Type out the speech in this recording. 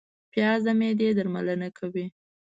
پیاز د معدې درملنه کوي